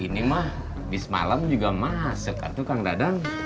ini mah abis malam juga masuk kan tukang dadang